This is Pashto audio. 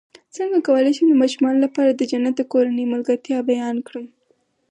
څنګه کولی شم د ماشومانو لپاره د جنت د کورنۍ ملګرتیا بیان کړم